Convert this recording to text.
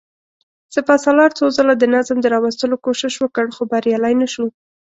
سپهسالار څو ځله د نظم د راوستلو کوشش وکړ، خو بريالی نه شو.